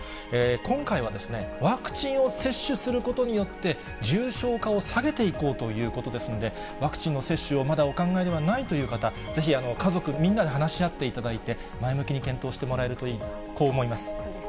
今回は、ワクチンを接種することによって、重症化を下げていこうということですので、ワクチンの接種をまだお考えではないという方、ぜひ、家族みんなで話し合っていただいて、前向きに検討してもらえるといいな、こう思います。